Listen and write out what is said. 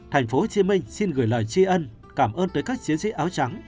tp hcm xin gửi lời tri ân cảm ơn tới các chiến sĩ áo trắng